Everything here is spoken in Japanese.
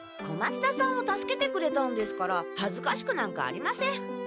小松田さんを助けてくれたんですからはずかしくなんかありません。